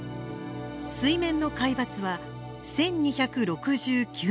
水面の海抜は１，２６９メートル。